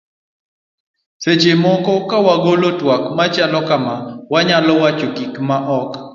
seche moko ka wagolo twak machalo kama, wanyalo wacho gik ma ok